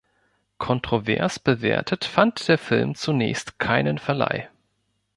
Kontrovers bewertet fand der Film zunächst keinen Verleih.